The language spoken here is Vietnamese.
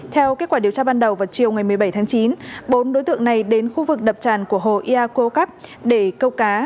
theo kết quả điều tra ban đầu vào chiều một mươi bảy tháng chín bốn đối tượng này đến khu vực đập tràn của hồ eakukap để câu cá